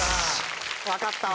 分かったわ。